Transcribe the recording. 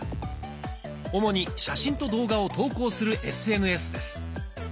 主に写真と動画を投稿するＳＮＳです。